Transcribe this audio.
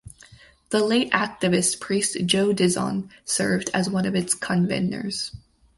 The late activist priest Joe Dizon served as one its convenors.